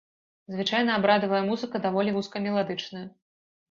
Звычайна абрадавая музыка даволі вузкамеладычная.